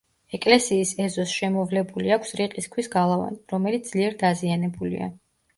ეკლესიის ეზოს შემოვლებული აქვს რიყის ქვის გალავანი, რომელიც ძლიერ დაზიანებულია.